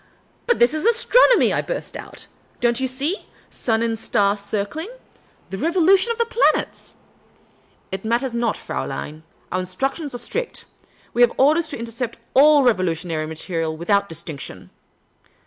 *' But this is astronomy," I burst out. " Don't you see ? Sun and star circling. The revolution of the planets." " It matters not, Fraulein. Our instructions are strict. We have orders to intercept «// revolutionary literature with out distinction."